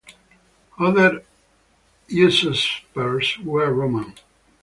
Other usurpers were Roman.